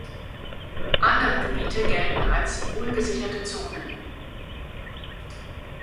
Andere Gebiete gelten als "ungesicherte Zonen".